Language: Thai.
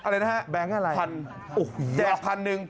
แบงค์อะไรแบงค์อะไรแบงค์อะไรแจกพันหนึ่ง